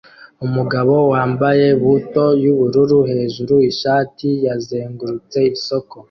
Umugabo wambaye buto yubururu hejuru ishati yazengurutse isoko